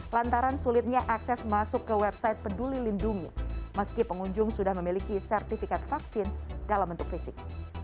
lantaran sulitnya akses masuk ke website peduli lindungi meski pengunjung sudah memiliki sertifikat vaksin dalam bentuk fisik